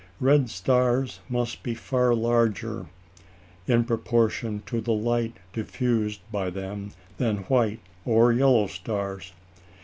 Red stars must be far larger in proportion to the light diffused by them than white or yellow stars.